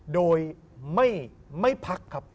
โดยไม่พักครับ